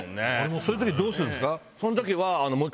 そういう時どうするんですか？